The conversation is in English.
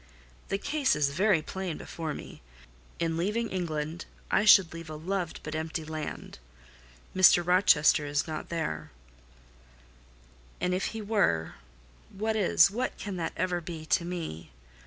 The case is very plain before me. In leaving England, I should leave a loved but empty land—Mr. Rochester is not there; and if he were, what is, what can that ever be to me?